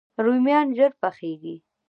رومیان ژر پخیږي